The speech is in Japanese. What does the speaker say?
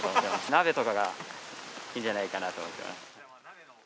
鍋とかが、いいんじゃないのかなと思ってます。